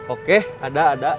oke ada ada